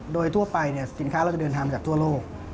โดยทั่วไปสินค้าเราจะเดินทางจากทั่วโลก